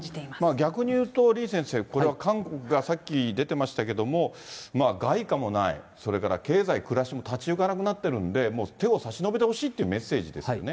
逆に言うと、李先生、これは韓国がさっき出てましたけれども、まあ、外貨もない、それから経済、暮らしも立ち行かなくなってるんで、手を差し伸べてほしいというメッセージですよね。